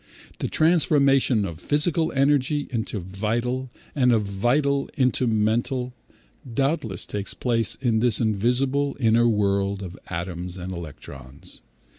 The transformation of physical energy into vital, and of vital into mental, doubtless takes place in this invisible inner world of atoms and electrons.